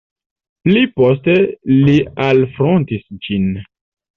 Pli poste li alfrontis ĝin.